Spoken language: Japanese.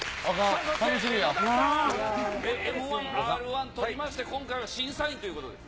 Ｍー１、Ｒー１ととりまして、今回は審査員ということです。